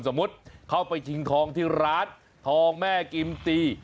เข้าไปชิงทองที่ร้านทองแม่กิมตี